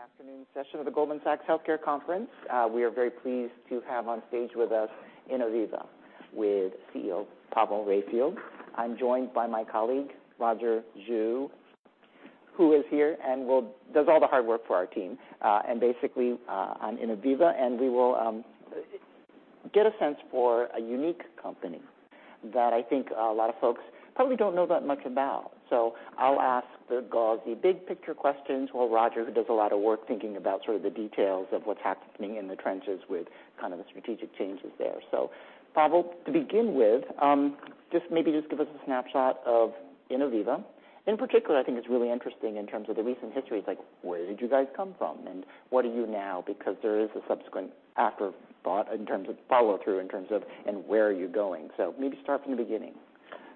Welcome to the afternoon session of the Goldman Sachs Healthcare Conference. We are very pleased to have on stage with us Innoviva, with CEO Pavel Raifeld. I'm joined by my colleague, Roger Zhu, who is here and does all the hard work for our team. On Innoviva, we will get a sense for a unique company that I think a lot of folks probably don't know that much about. I'll ask the gauzy, big picture questions, while Roger, who does a lot of work thinking about sort of the details of what's happening in the trenches with kind of the strategic changes there. Pavel, to begin with, just maybe just give us a snapshot of Innoviva. In particular, I think it's really interesting in terms of the recent history. It's like, where did you guys come from, and what are you now? There is a subsequent afterthought in terms of follow-through, in terms of, and where are you going? Maybe start from the beginning.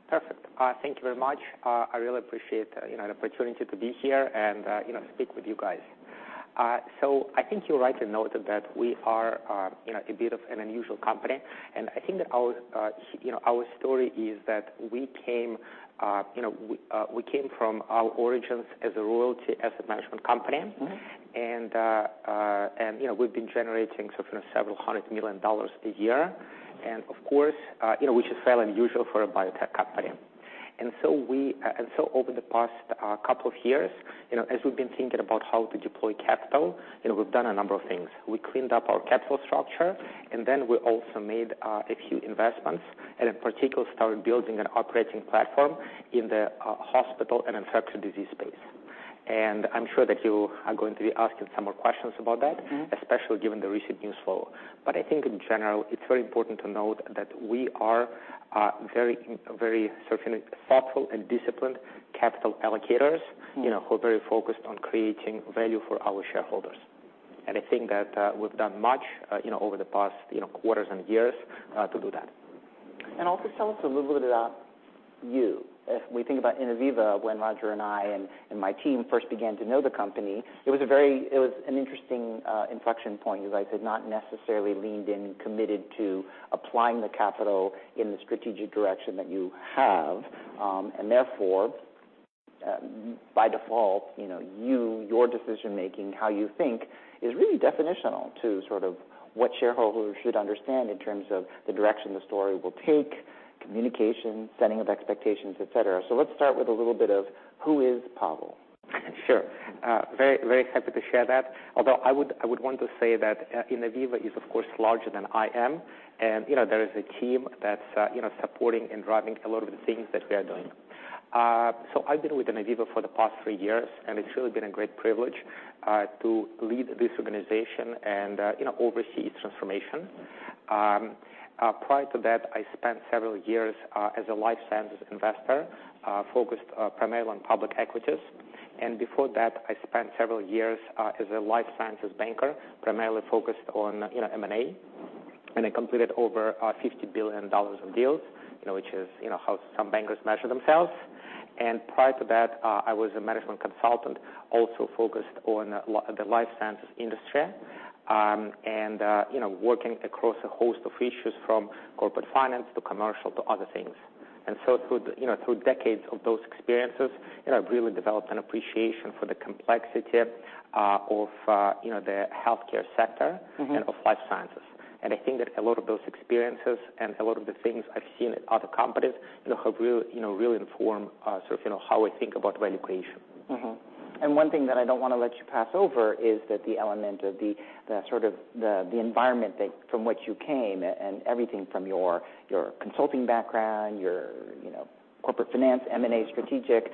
Perfect. Thank you very much. I really appreciate, the opportunity to be here and, speak with you guys. I think you're right to note that we are, a bit of an unusual company. I think that our, our story is that we came, we came from our origins as a royalty asset management company. Mm-hmm. We've been generating sort of several hundred million dollars a year, and of course, which is fairly unusual for a biotech company. We over the past couple of years, as we've been thinking about how to deploy capital, we've done a number of things. We cleaned up our capital structure, and then we also made a few investments, and in particular, started building an operating platform in the hospital and infectious disease space. I'm sure that you are going to be asking some more questions about that. Mm-hmm. Especially given the recent news flow. I think in general, it's very important to note that we are very sort of thoughtful and disciplined capital allocators, who are very focused on creating value for our shareholders. I think that, we've done much, over the past, quarters and years, to do that. Tell us a little bit about you. If we think about Innoviva, when Roger and I and my team first began to know the company, it was a very interesting inflection point. You guys had not necessarily leaned in and committed to applying the capital in the strategic direction that you have. Therefore, by default, your decision-making, how you think is really definitional to sort of what shareholders should understand in terms of the direction the story will take, communication, setting of expectations, et cetera. Let's start with a little bit of who is Pavel? Sure. Very happy to share that. Although I would want to say that Innoviva is, of course, larger than I am. There is a team that's, supporting and driving a lot of the things that we are doing. I've been with Innoviva for the past 3 years, and it's really been a great privilege to lead this organization and, oversee its transformation. Prior to that, I spent several years as a life sciences investor, focused primarily on public equities. Before that, I spent several years as a life sciences banker, primarily focused on, M&A, and I completed over $50 billion of deals, which is, how some bankers measure themselves. Prior to that, I was a management consultant, also focused on the life sciences industry, and, working across a host of issues from corporate finance to commercial to other things. Through, through decades of those experiences, I've really developed an appreciation for the complexity, of, the healthcare sector. Mm-hmm. Of life sciences. I think that a lot of those experiences and a lot of the things I've seen at other companies, have really informed, sort of, how I think about value creation. One thing that I don't want to let you pass over is that the element of the sort of the environment that from which you came, and everything from your consulting background, your, corporate finance, M&A, strategic,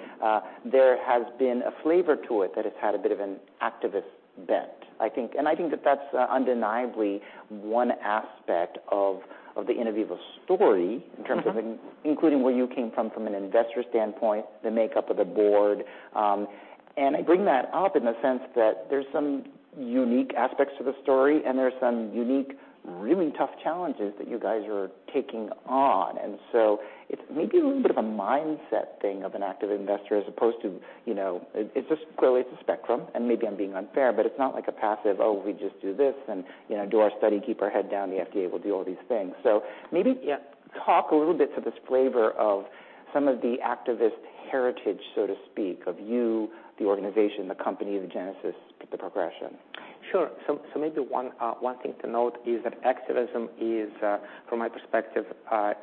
there has been a flavor to it that has had a bit of an activist bent, I think. I think that that's undeniably one aspect of the Innoviva story in terms of, including where you came from an investor standpoint, the makeup of the board. I bring that up in the sense that there's some unique aspects to the story, and there's some unique, really tough challenges that you guys are taking on. It's maybe a little bit of a mindset thing of an active investor, as opposed to, It's just clearly it's a spectrum, and maybe I'm being unfair, but it's not like a passive, oh, we just do this and, do our study, keep our head down, the FDA will do all these things. Maybe- Yeah. Talk a little bit to this flavor of some of the activist heritage, so to speak, of you, the organization, the company, the genesis, the progression. Sure. Maybe one thing to note is that activism is, from my perspective,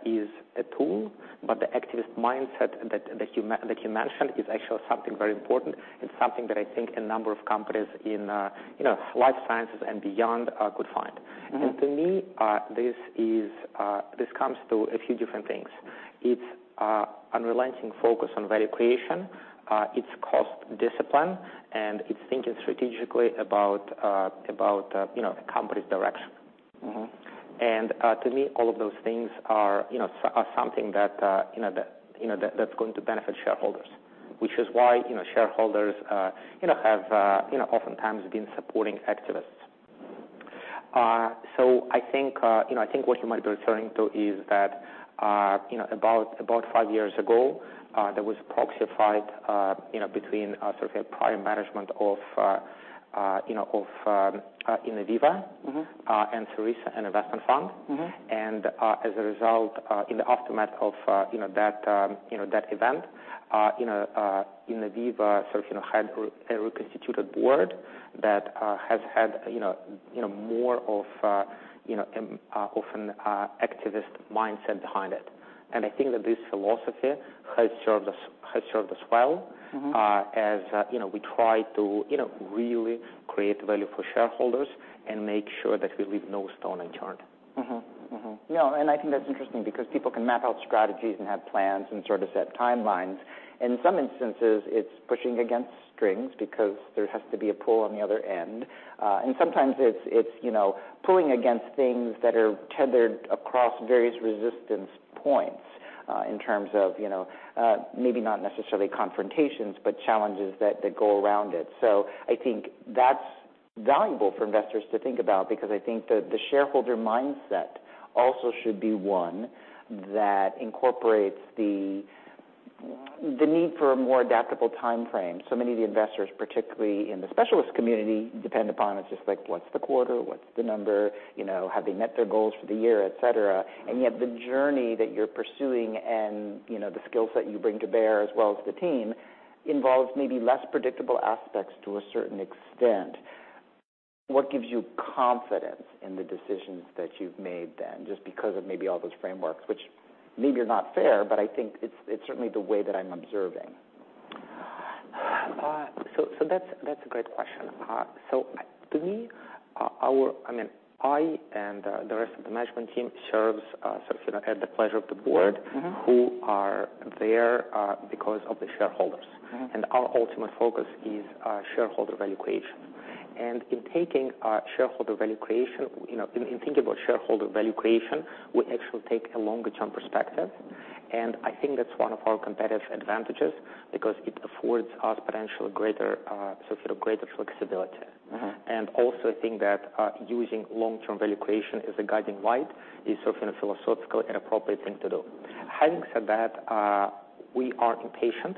is a tool, but the activist mindset that you mentioned is actually something very important. It's something that I think a number of companies in, life sciences and beyond, could find. Mm-hmm. To me, this is, this comes to a few different things. It's unrelenting focus on value creation, it's cost discipline, and it's thinking strategically about, a company's direction. Mm-hmm. To me, all of those things are, something that, that, that's going to benefit shareholders, which is why, shareholders, have, oftentimes been supporting activists. I think what you might be referring to is that, about 5 years ago, there was a proxy fight, between, sort of a prior management of, Innoviva. Mm-hmm. Sarissa, an investment fund. Mm-hmm. As a result, in the aftermath of that, Innoviva sort of had a reconstituted board that has had more of an activist mindset behind it. I think that this philosophy has served us well, as, we try to, really create value for shareholders and make sure that we leave no stone unturned. No, I think that's interesting because people can map out strategies and have plans and sort of set timelines. In some instances, it's pushing against strings because there has to be a pull on the other end, and sometimes it's, pulling against things that are tethered across various resistance points, in terms of, maybe not necessarily confrontations, but challenges that go around it. I think that's valuable for investors to think about, because I think the shareholder mindset also should be one that incorporates the need for a more adaptable time frame. Many of the investors, particularly in the specialist community, depend upon it, just like, what's the quarter? What's the number? have they met their goals for the year, et cetera. Yet the journey that you're pursuing and, the skill set you bring to bear, as well as the team, involves maybe less predictable aspects to a certain extent. What gives you confidence in the decisions that you've made then, just because of maybe all those frameworks, which maybe are not fair, but I think it's certainly the way that I'm observing? That's a great question. To me, I mean, I and, the rest of the management team serves, so, at the pleasure of the board, who are there, because of the shareholders. Mm-hmm. Our ultimate focus is, shareholder value creation. In taking, shareholder value creation, in thinking about shareholder value creation, we actually take a longer term perspective, and I think that's one of our competitive advantages because it affords us potentially greater, sort of greater flexibility. Mm-hmm. Also, I think that using long-term value creation as a guiding light is sort of a philosophical and appropriate thing to do. Having said that, we are impatient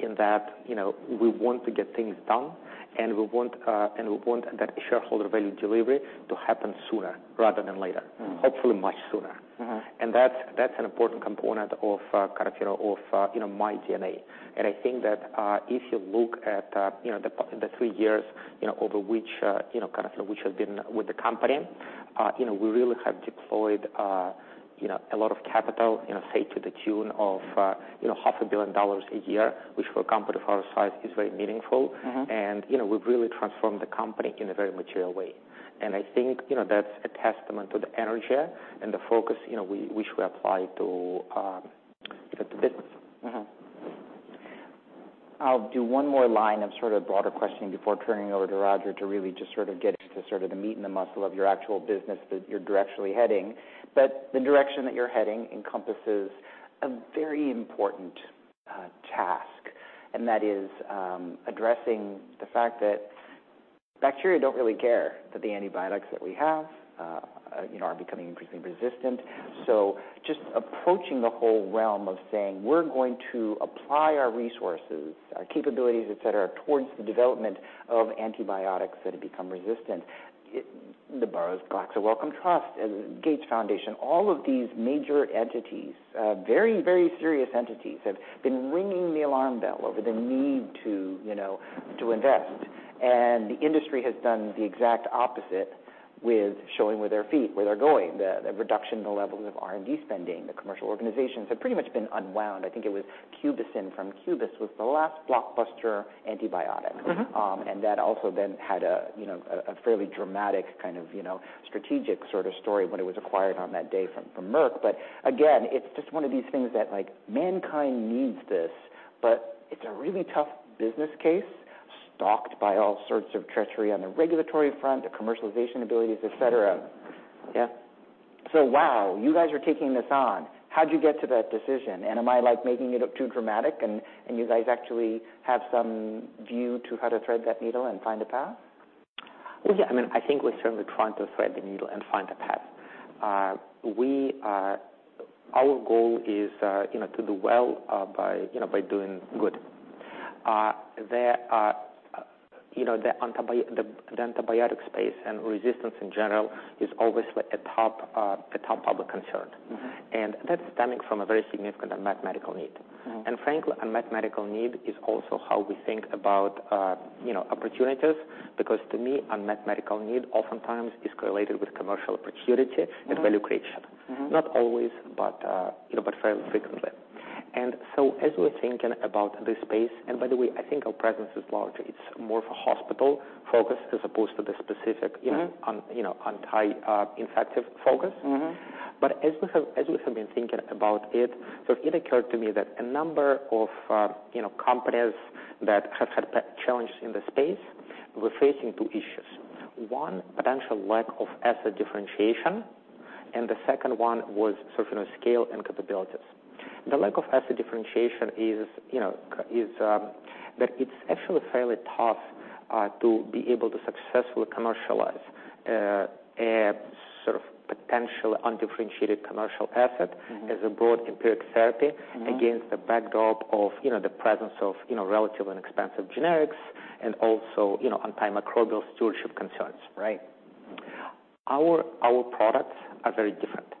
in that, we want to get things done, and we want that shareholder value delivery to happen sooner rather than later. Mm-hmm. Hopefully much sooner. Mm-hmm. That's, that's an important component of, kind of, of, my DNA. I think that, if you look at, the three years, over which, kind of which have been with the company, we really have deployed, a lot of capital, say, to the tune of, half a billion dollars a year, which for a company of our size is very meaningful. We've really transformed the company in a very material way. I think, that's a testament to the energy and the focus, which we apply to, the business. I'll do one more line of sort of broader questioning before turning it over to Roger to really just sort of get into sort of the meat and the muscle of your actual business that you're directionally heading. The direction that you're heading encompasses a very important task, and that is addressing the fact that bacteria don't really care that the antibiotics that we have, are becoming increasingly resistant. Just approaching the whole realm of saying, "We're going to apply our resources, our capabilities, et cetera, towards the development of antibiotics that have become resistant," the Burroughs Wellcome Fund and Gates Foundation, all of these major entities, very, very serious entities, have been ringing the alarm bell over the need to invest. The industry has done the exact opposite with showing with their feet, where they're going, the reduction in the levels of R&D spending. The commercial organizations have pretty much been unwound. I think it was Cubicin from Cubist was the last blockbuster antibiotic. Mm-hmm. That also then had a, a fairly dramatic kind of, strategic sort of story when it was acquired on that day from Merck. Again, it's just one of these things that, like, mankind needs this, but it's a really tough business case, stalked by all sorts of treachery on the regulatory front, the commercialization abilities, et cetera. Mm-hmm. Yeah. Wow, you guys are taking this on. How'd you get to that decision? Am I, like, making it up too dramatic, and you guys actually have some view to how to thread that needle and find a path? Yeah, I mean, I think we're certainly trying to thread the needle and find a path. Our goal is, to do well, by, by doing good. There are, the antibiotic space and resistance in general is obviously a top public concern. Mm-hmm. That's stemming from a very significant unmet medical need. Mm-hmm. Frankly, unmet medical need is also how we think about, opportunities, because to me, unmet medical need oftentimes is correlated with commercial opportunity and value creation. Mm-hmm. Not always, but, but fairly frequently. As we're thinking about this space... By the way, I think our presence is larger. It's more of a hospital focus as opposed to the specific, anti, infective focus. Mm-hmm. As we have been thinking about it, so it occurred to me that a number of, companies that have had challenges in the space were facing 2 issues. 1, potential lack of asset differentiation, and the second one was sort of on scale and capabilities. The lack of asset differentiation is, is that it's actually fairly tough to be able to successfully commercialize a sort of potential undifferentiated commercial asset. Mm-hmm As a broad empiric therapy, against the backdrop of, the presence of, relatively inexpensive generics and also, antimicrobial stewardship concerns. Right. Our products are very different.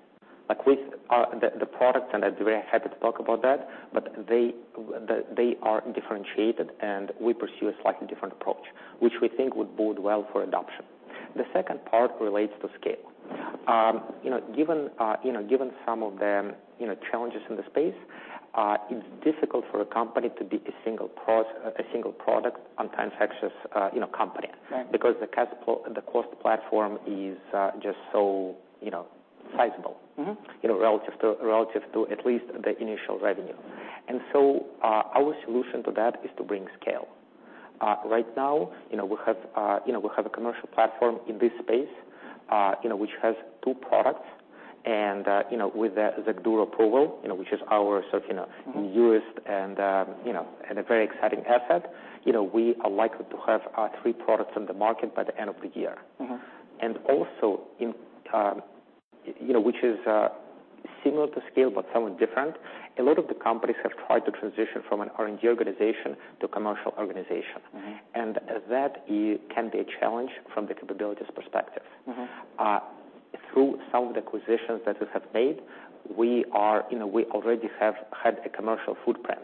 Like, we are the products, and I'd be very happy to talk about that, but they are differentiated, and we pursue a slightly different approach, which we think would bode well for adoption. The second part relates to scale. given some of the, challenges in the space, it's difficult for a company to be a single product on transactions, company. Right. The capital, the cost platform is, just so, sizable. Mm-hmm. Relative to at least the initial revenue. Our solution to that is to bring scale. Right now, we have, we have a commercial platform in this space, which has two products. With the XACDURO approval, which is our sort of, newest and, and a very exciting asset, we are likely to have, three products on the market by the end of the year. Mm-hmm. Also in, which is similar to scale but somewhat different, a lot of the companies have tried to transition from an R&D organization to commercial organization. Mm-hmm. That it can be a challenge from the capabilities perspective. Mm-hmm. Through some of the acquisitions that we have made, we are, we already have had a commercial footprint,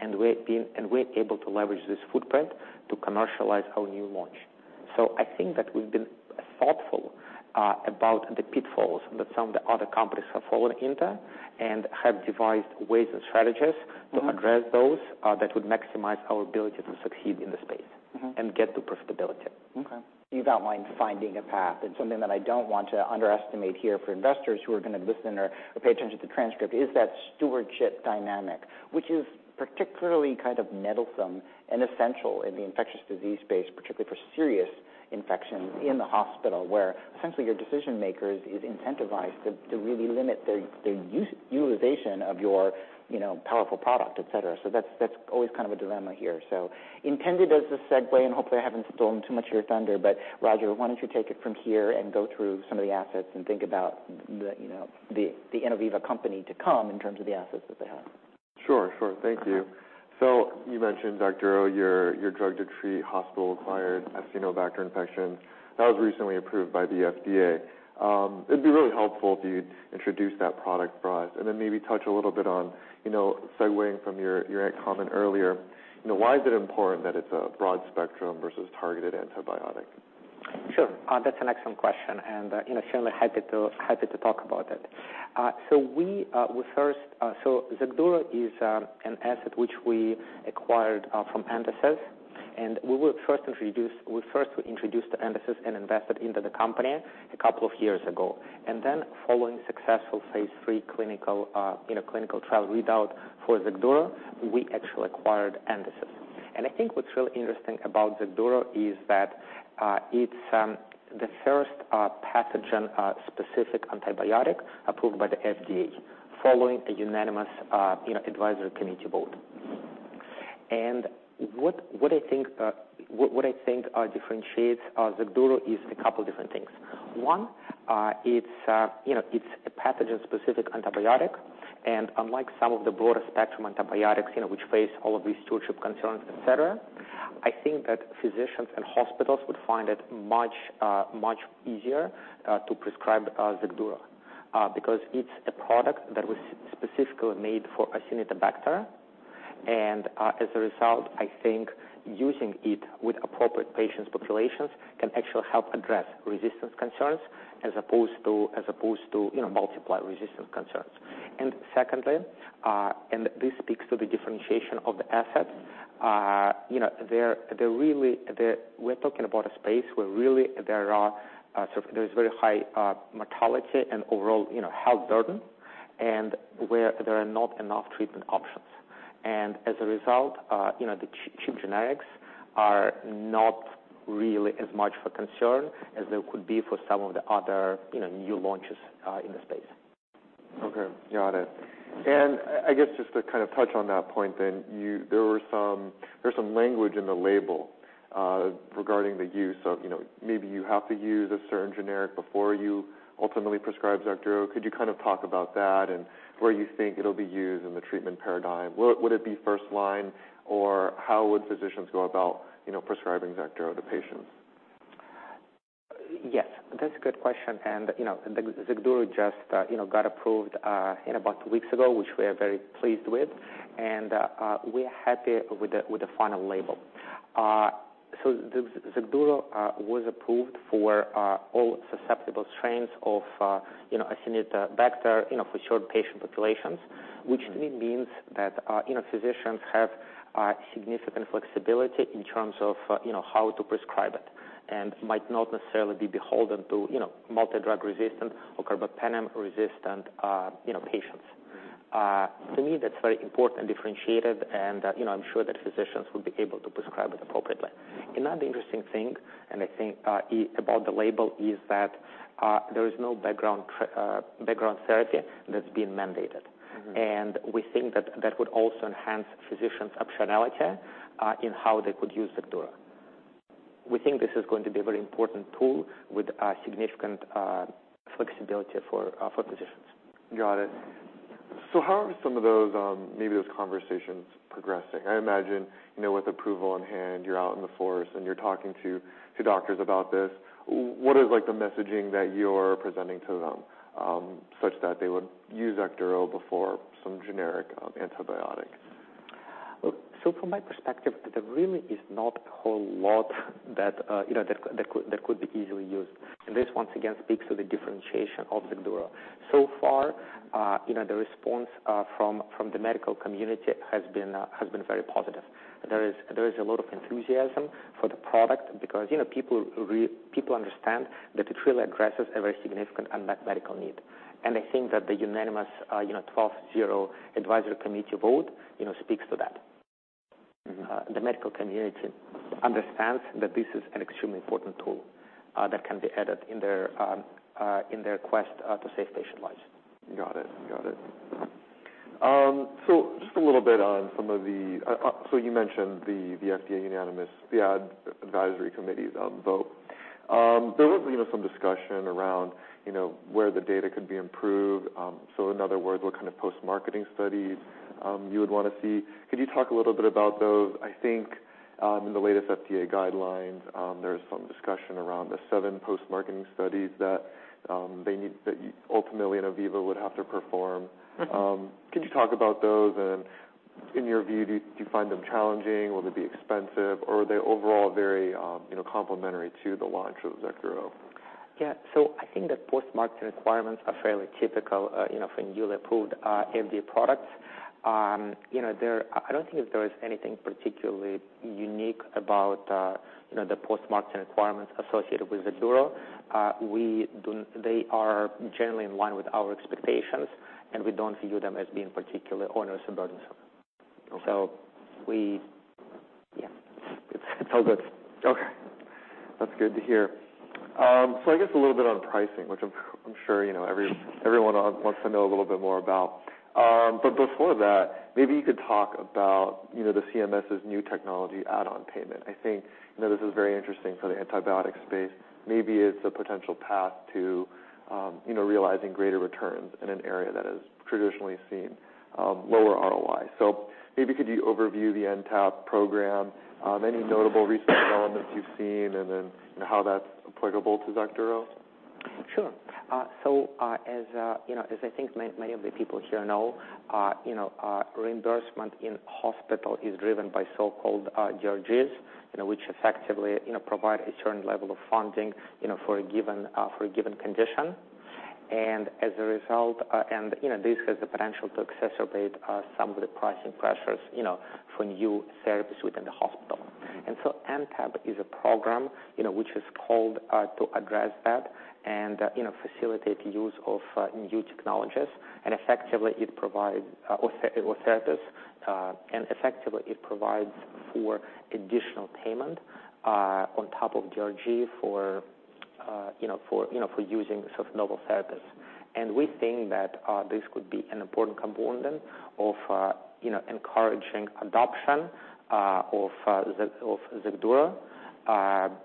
and we're able to leverage this footprint to commercialize our new launch. I think that we've been thoughtful about the pitfalls that some of the other companies have fallen into and have devised ways and strategies. Mm-hmm. to address those, that would maximize our ability to succeed in the space Mm-hmm. get to profitability. You've outlined finding a path, something that I don't want to underestimate here for investors who are gonna listen or pay attention to the transcript, is that stewardship dynamic, which is particularly kind of meddlesome and essential in the infectious disease space, particularly for serious infections in the hospital, where essentially your decision maker is incentivized to really limit the utilization of your, powerful product, et cetera. That's always kind of a dilemma here. Intended as a segue, hopefully I haven't stolen too much of your thunder, Roger, why don't you take it from here and go through some of the assets and think about the, the Innoviva company to come in terms of the assets that they have? Sure, sure. Thank you. You mentioned XACDURO, your drug to treat hospital-acquired Acinetobacter infections, that was recently approved by the FDA. It'd be really helpful if you'd introduce that product for us, and then maybe touch a little bit on, segueing from your comment earlier, why is it important that it's a broad spectrum versus targeted antibiotic? Sure. That's an excellent question, and, certainly happy to talk about it. We first, so XACDURO is an asset which we acquired from Entasis, and we first introduced Entasis and invested into the company a couple of years ago. Then following successful phase three clinical, clinical trial readout for XACDURO, we actually acquired Entasis. I think what's really interesting about XACDURO is that, it's the first, pathogen-specific antibiotic approved by the FDA, following a unanimous, advisory committee vote. What I think, what I think, differentiates, XACDURO is a couple different things. One, it's a pathogen-specific antibiotic, and unlike some of the broader spectrum antibiotics, which face all of these stewardship concerns, et cetera, I think that physicians and hospitals would find it much, much easier to prescribe XACDURO. Because it's a product that was specifically made for Acinetobacter, and as a result, I think using it with appropriate patient populations can actually help address resistance concerns, as opposed to, multiple resistance concerns. Secondly, and this speaks to the differentiation of the asset, we're talking about a space where really there are, there is very high mortality and overall, health burden and where there are not enough treatment options. As a result, the cheap generics are not really as much of a concern as they could be for some of the other, new launches in the space. Okay, got it. I guess just to kind of touch on that point, then, there's some language in the label regarding the use of, maybe you have to use a certain generic before you ultimately prescribe XACDURO. Could you kind of talk about that and where you think it'll be used in the treatment paradigm? Would it be first line, or how would physicians go about, prescribing XACDURO to patients? Yes, that's a good question, and, the XACDURO just, got approved in about 2 weeks ago, which we are very pleased with. We are happy with the final label. The XACDURO was approved for all susceptible strains of, Acinetobacter, for certain patient populations, which means that, physicians have significant flexibility in terms of, how to prescribe it and might not necessarily be beholden to, multidrug-resistant or carbapenem-resistant, patients. Mm-hmm. To me, that's very important and differentiated, and, I'm sure that physicians will be able to prescribe it appropriately. Another interesting thing, and I think, about the label, is that, there is no background therapy that's been mandated. Mm-hmm. We think that that would also enhance physicians' optionality, in how they could use XACDURO. We think this is going to be a very important tool with significant flexibility for physicians. Got it. How are some of those, maybe those conversations progressing? I imagine, with approval on hand, you're out in the forest, and you're talking to doctors about this. What is like the messaging that you're presenting to them, such that they would use XACDURO before some generic antibiotics? From my perspective, there really is not a whole lot that, that could be easily used. This, once again, speaks to the differentiation of XACDURO. So far, the response from the medical community has been very positive. There is a lot of enthusiasm for the product because, people understand that it really addresses a very significant unmet medical need. I think that the unanimous, 12-0 advisory committee vote, speaks to that. Mm-hmm. The medical community understands that this is an extremely important tool, that can be added in their in their quest to save patient lives. Got it. You mentioned the FDA unanimous, the advisory committee's vote. There was, some discussion around, where the data could be improved. In other words, what kind of post-marketing studies you would want to see? Could you talk a little bit about those? I think, in the latest FDA guidelines, there's some discussion around the seven post-marketing studies that they need, that ultimately, Innoviva would have to perform. Mm-hmm. Could you talk about those? In your view, do you find them challenging? Will they be expensive, or are they overall very, complementary to the launch of XACDURO? I think the post-marketing requirements are fairly typical, for newly approved FDA products. There, I don't think there is anything particularly unique about, the post-marketing requirements associated with XACDURO. They are generally in line with our expectations, and we don't view them as being particularly onerous and burdensome. Okay. Yeah, it's all good. Okay, that's good to hear. I guess a little bit on pricing, which I'm sure, everyone wants to know a little bit more about. Before that, maybe you could talk about, the CMS's new technology add-on payment. I think, this is very interesting for the antibiotic space. Maybe it's a potential path to, realizing greater returns in an area that has traditionally seen lower ROI. Maybe could you overview the NTAP program, any notable recent developments you've seen, and then, how that's applicable to XACDURO? Sure. As I think many of the people here know, reimbursement in hospital is driven by so-called DRGs, which effectively, provide a certain level of funding, for a given condition. As a result, and, this has the potential to exacerbate, some of the pricing pressures, for new services within the hospital. Mm-hmm. NTAP is a program, which is called to address that and, facilitate the use of new technologies. Effectively, it provides or service, and effectively, it provides for additional payment on top of DRG for, for using such novel therapies. We think that this could be an important component of, encouraging adoption of XACDURO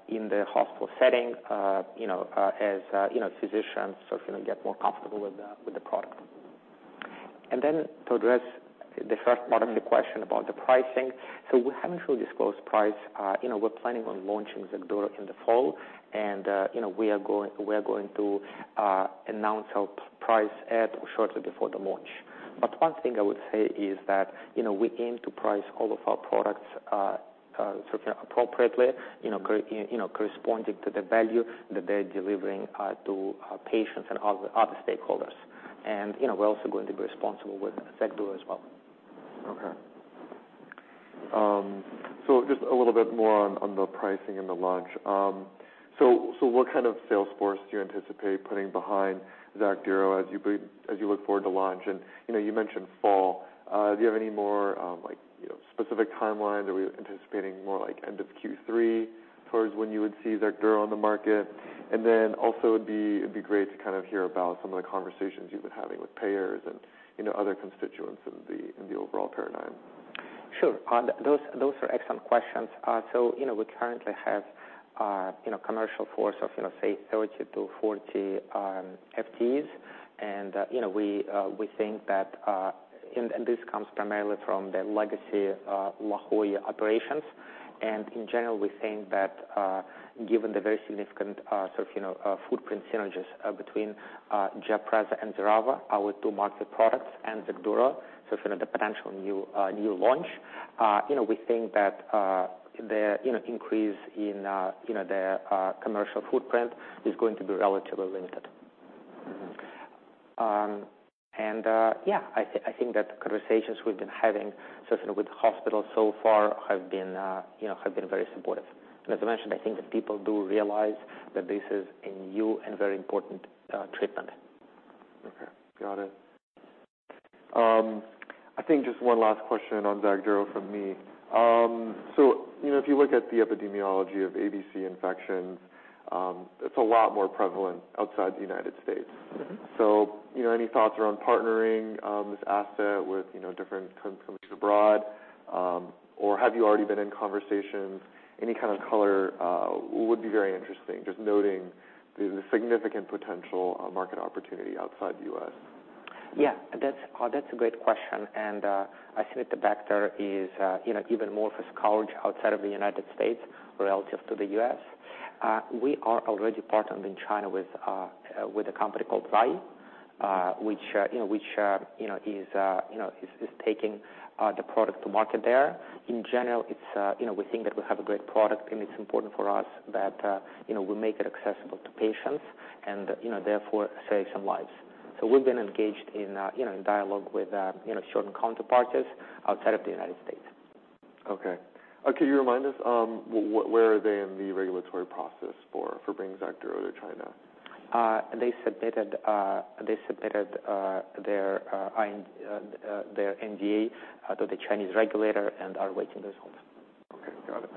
in the hospital setting, as, physicians certainly get more comfortable with the product. To address the first part of the question about the pricing, we haven't really disclosed price. we're planning on launching XACDURO in the fall, and, we are going to announce our price at shortly before the launch. One thing I would say is that, we aim to price all of our products, sort of appropriately, corresponding to the value that they're delivering, to, patients and other stakeholders. We're also going to be responsible with XACDURO as well. Okay. Just a little bit more on the pricing and the launch. What kind of sales force do you anticipate putting behind XACDURO as you look forward to launch? You mentioned fall. Do you have any more, like, specific timelines? Are we anticipating more like end of Q3 as far as when you would see XACDURO on the market? Also, it'd be great to kind of hear about some of the conversations you've been having with payers and, other constituents in the overall paradigm. Sure. Those are excellent questions. so, we currently have, commercial force of, say, 30-40 FTEs. We think that. This comes primarily from the legacy La Jolla operations. In general, we think that, given the very significant, sort of, footprint synergies, between GIAPREZA and XERAVA, our two market products, and XACDURO, so sort of the potential new launch, we think that, the, increase in, the commercial footprint is going to be relatively limited. Mm-hmm. Yeah, I think that the conversations we've been having, certainly with hospitals so far, have been, have been very supportive. As I mentioned, I think that people do realize that this is a new and very important treatment. Okay, got it. I think just one last question on XACDURO from me. If you look at the epidemiology of ABC infections, it's a lot more prevalent outside the United States. Mm-hmm. Any thoughts around partnering, this asset with, different companies abroad? Or have you already been in conversations? Any kind of color would be very interesting, just noting the significant potential market opportunity outside the U.S. Yeah, that's that's a great question, I think that the vector is, even more discouraged outside of the United States relative to the US. We are already partnered in China with a company called Zai Lab, which, which, is, is taking the product to market there. In general, it's, we think that we have a great product, it's important for us that, we make it accessible to patients and, therefore, save some lives. We've been engaged in, in dialogue with, certain counterparties outside of the United States. Okay. Can you remind us, where are they in the regulatory process for bringing XACDURO to China? They submitted their NDA to the Chinese regulator and are waiting the results. Okay, got it.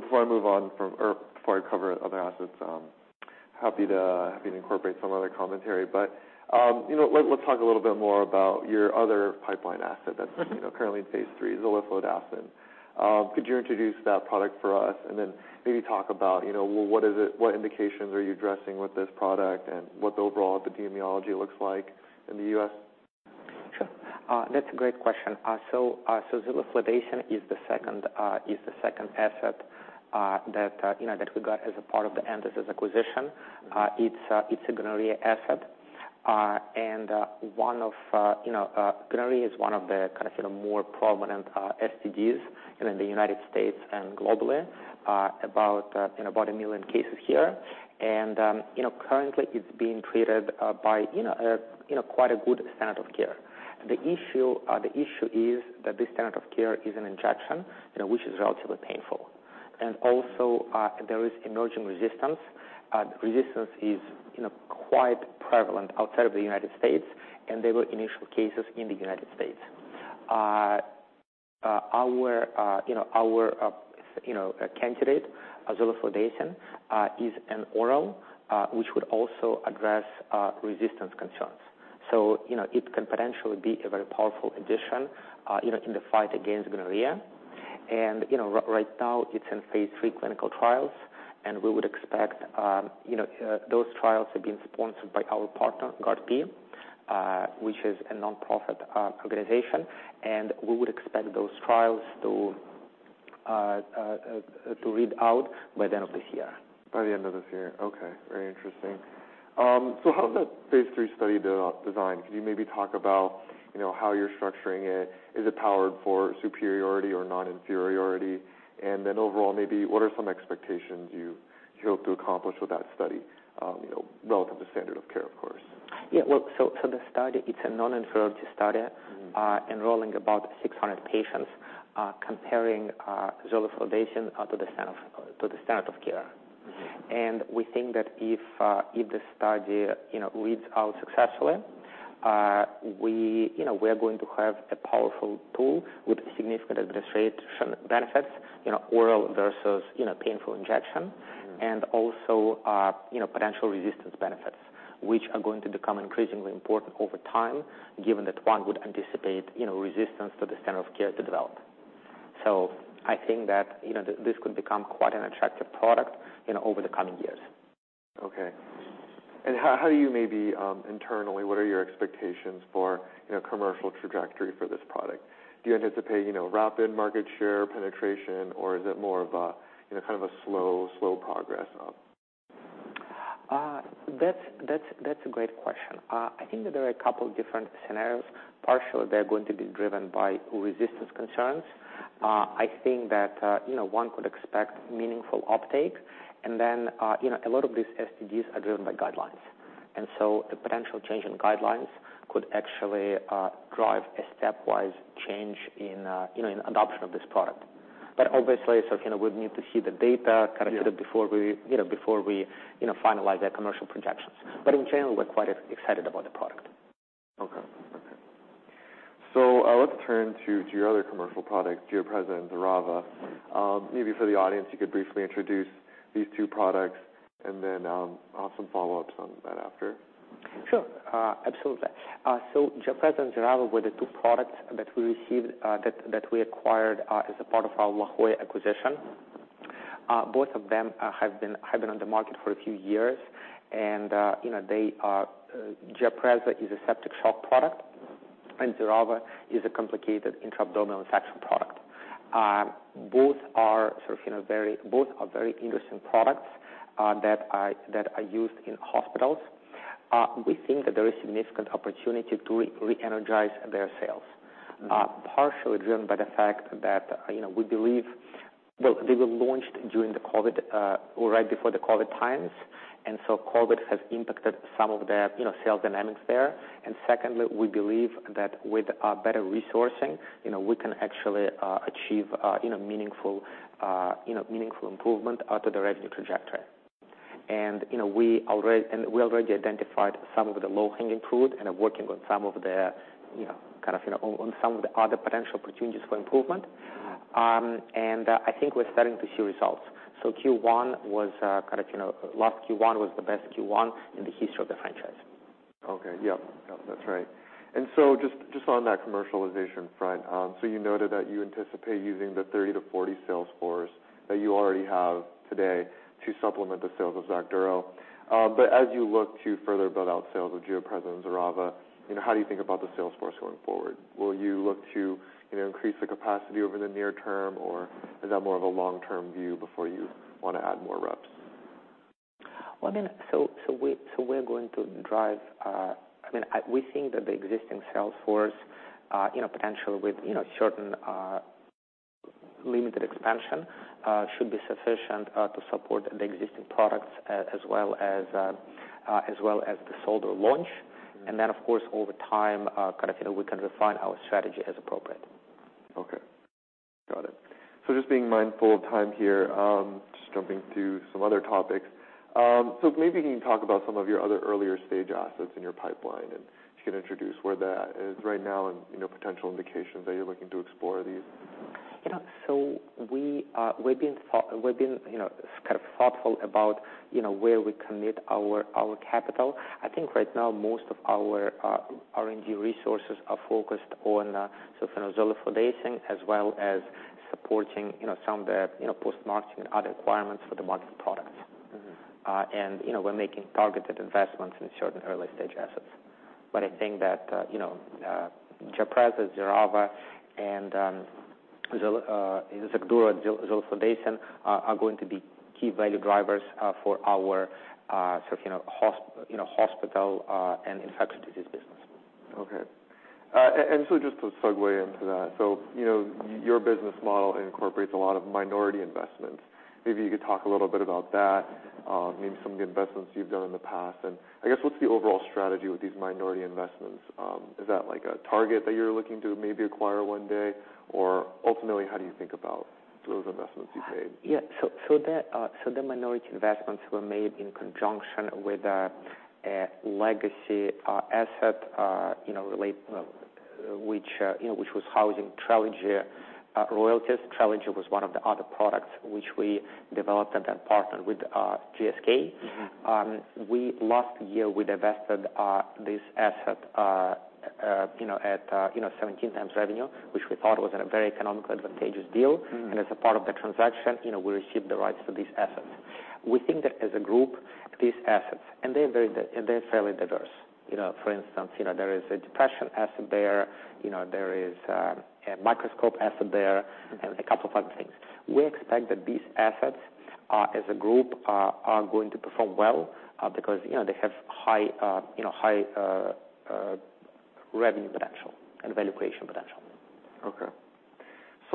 Before I move on from, or before I cover other assets, happy to, happy to incorporate some other commentary, but, let's talk a little bit more about your other pipeline asset. Mm-hmm. Currently in Phase III, zoliflodacin. could you introduce that product for us, and then maybe talk about, what is it, what indications are you addressing with this product and what the overall epidemiology looks like in the U.S.? Sure. That's a great question. Zoliflodacin is the second asset that, that we got as a part of the Entasis acquisition. It's a gonorrhea asset. One of, gonorrhea is one of the kind of, more prominent STDs in the United States and globally. About 1 million cases here. Currently it's being treated by, a, quite a good standard of care. The issue is that this standard of care is an injection, which is relatively painful. Also, there is emerging resistance. Resistance is, quite prevalent outside of the United States, and there were initial cases in the United States. Our, candidate, zoliflodacin, is an oral, which would also address resistance concerns. so, it can potentially be a very powerful addition, you, in the fight against gonorrhea. and, right now, it's in Phase III clinical trials, and we would expect, those trials are being sponsored by our partner, GARDP, which is a nonprofit organization, and we would expect those trials to read out by the end of this year. By the end of this year. Okay, very interesting. How does that phase III study de-design? Can you maybe talk about, how you're structuring it? Is it powered for superiority or non-inferiority? Overall, maybe what are some expectations you hope to accomplish with that study, relative to standard of care, of course? Yeah, look, the study, it's a non-inferiority study. Mm-hmm. Enrolling about 600 patients, comparing zoliflodacin to the standard of care. Mm-hmm. We think that if the study, reads out successfully, we, we are going to have a powerful tool with significant administration benefits, oral versus, painful injection. Mm-hmm. Potential resistance benefits, which are going to become increasingly important over time, given that one would anticipate, resistance to the standard of care to develop. I think that, this could become quite an attractive product, over the coming years. Okay. How are you maybe, internally, what are your expectations for, commercial trajectory for this product? Do you anticipate, rapid market share penetration, or is it more of a, kind of a slow progress up? That's a great question. I think that there are a couple different scenarios. Partially, they're going to be driven by resistance concerns. I think that, one could expect meaningful uptake, and then, a lot of these STDs are driven by guidelines. A potential change in guidelines could actually drive a stepwise change in, in adoption of this product. Obviously, we'd need to see the data connected before we, finalize the commercial projections. In general, we're quite excited about the product. Okay. Let's turn to your other commercial products, GIAPREZA and XERAVA. Maybe for the audience, you could briefly introduce these two products, I'll have some follow-ups on that after. Sure. Absolutely. GIAPREZA and XERAVA were the two products that we received, that we acquired as a part of our La Jolla acquisition. Both of them have been on the market for a few years, and, they are, GIAPREZA is a septic shock product, and XERAVA is a complicated intra-abdominal infection product. Both are sort of, both are very interesting products that are used in hospitals. We think that there is significant opportunity to re-energize their sales. Mm-hmm. Partially driven by the fact that, we believe. Well, they were launched during the COVID or right before the COVID times, and so COVID has impacted some of the, sales dynamics there. Secondly, we believe that with better resourcing, we can actually achieve meaningful improvement to the revenue trajectory. We already identified some of the low-hanging fruit and are working on some of the kind of on some of the other potential opportunities for improvement. I think we're starting to see results. Q1 was kind of last Q1 was the best Q1 in the history of the franchise. Okay. Yep, that's right. Just on that commercialization front, so you noted that you anticipate using the 30 to 40 sales force that you already have today to supplement the sales of XACDURO. As you look to further build out sales of GIAPREZA, XERAVA, how do you think about the sales force going forward? Will you look to, increase the capacity over the near term, or is that more of a long-term view before you want to add more reps? Well, I mean, so we're going to drive, I mean, we think that the existing sales force, potentially with, certain, limited expansion, should be sufficient to support the existing products, as well as the zoliflodacin launch. Of course, over time, kind of, we can refine our strategy as appropriate. Okay, got it. Just being mindful of time here, just jumping to some other topics. Maybe you can talk about some of your other earlier stage assets in your pipeline, and you can introduce where that is right now and, potential indications that you're looking to explore these. We've been, kind of thoughtful about, where we commit our capital. I think right now, most of our R&D resources are focused on fenofibric acid, as well as supporting, some of the, post-marketing and other requirements for the market products. Mm-hmm. We're making targeted investments in certain early stage assets. I think that, GIAPREZA, XERAVA and XACDURO and zoliflodacin are going to be key value drivers for our, hospital, and infection disease business. Okay. Just to segue into that. Your business model incorporates a lot of minority investments. Maybe you could talk a little bit about that, maybe some of the investments you've done in the past. I guess, what's the overall strategy with these minority investments? Is that like a target that you're looking to maybe acquire one day? Ultimately, how do you think about those investments you've made? Yeah. The minority investments were made in conjunction with a legacy asset, which, was housing Trelegy royalties. Trelegy was one of the other products which we developed and then partnered with GSK. Mm-hmm. Last year, we divested this asset, at, 17 times revenue, which we thought was at a very economically advantageous deal. Mm-hmm. As a part of the transaction, we received the rights to these assets. We think that as a group, these assets, and they're fairly diverse. For instance, there is a depression asset there, there is a microscope asset there, and a couple of other things. We expect that these assets, as a group, are going to perform well, because, they have high, high, revenue potential and valuation potential. Okay.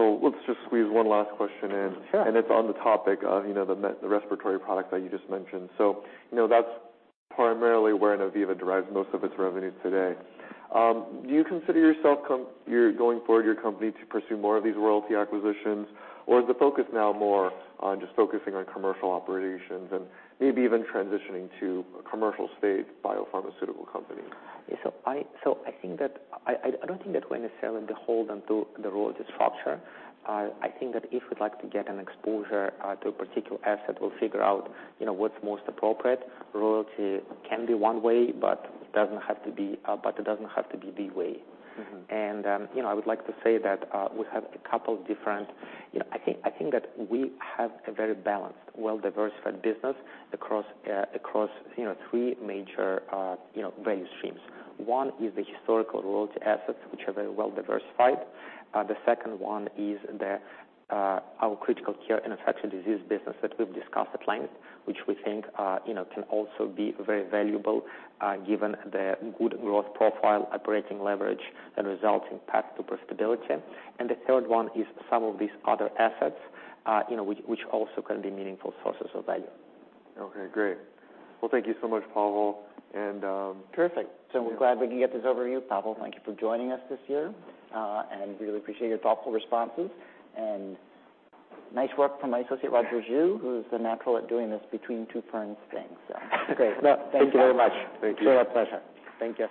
Let's just squeeze one last question in. Sure. It's on the topic of, the respiratory product that you just mentioned. That's primarily where Innoviva derives most of its revenue today. Do you consider your company to pursue more of these royalty acquisitions? Or is the focus now more on just focusing on commercial operations and maybe even transitioning to a commercial-stage biopharmaceutical company? I don't think that we're necessarily beholden to the royalty structure. I think that if we'd like to get an exposure to a particular asset, we'll figure out, what's most appropriate. Royalty can be one way, but it doesn't have to be, but it doesn't have to be the way. Mm-hmm. I think that we have a very balanced, well-diversified business across, three major, value streams. One is the historical royalty assets, which are very well diversified. The second one is our critical care and infection disease business that we've discussed at length, which we think, can also be very valuable, given the good growth profile, operating leverage and resulting path to profitability. The third one is some of these other assets, which also can be meaningful sources of value. Okay, great. Well, thank you so much, Pavel. Perfect. We're glad we can get this overview. Pavel, thank you for joining us this year, and really appreciate your thoughtful responses. Nice work from my associate, Roger Zhu, who's the natural at doing this between two frames. Great. Well, thank you very much. Thank you. It's a pleasure. Thank you.